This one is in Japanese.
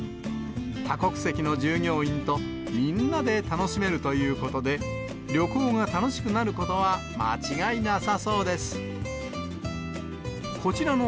多国籍の従業員と、みんなで楽しめるということで、旅行が楽しくなることは間違いなさそうです。